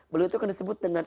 beliau itu akan disebut dengan